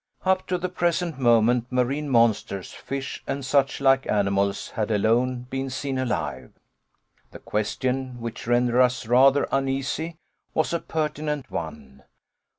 Up to the present moment, marine monsters, fish, and suchlike animals had alone been seen alive! The question which rendered us rather uneasy, was a pertinent one.